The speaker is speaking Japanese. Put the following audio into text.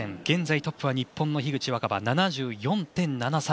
現在トップは日本の樋口新葉７４．７３。